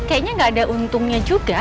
kayaknya nggak ada untungnya juga